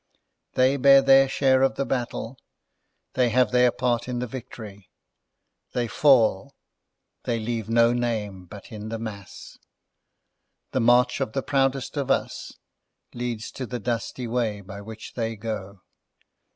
They bear their share of the battle; they have their part in the victory; they fall; they leave no name but in the mass. The march of the proudest of us, leads to the dusty way by which they go.